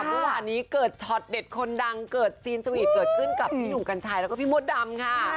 เมื่อวานนี้เกิดช็อตเด็ดคนดังเกิดซีนสวีทเกิดขึ้นกับพี่หนุ่มกัญชัยแล้วก็พี่มดดำค่ะ